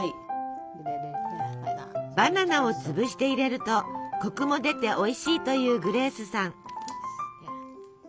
バナナを潰して入れるとコクも出ておいしいというグレースさん。